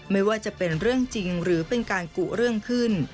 ไม่ว่าจะเป็นเรื่องจริงหรือเป็นการกุเรื่องขึ้น